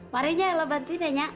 mari nella bantu deh nya